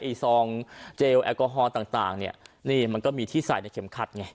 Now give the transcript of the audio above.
ซองเจลแอลกอฮอลต่างเนี่ยนี่มันก็มีที่ใส่ในเข็มขัดไง